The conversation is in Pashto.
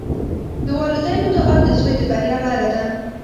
د والدینو دعا د زوی د بریا لاره ده.